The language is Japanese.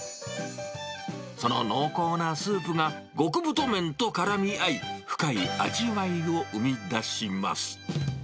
その濃厚なスープが極太麺と絡み合い、深い味わいを生み出します。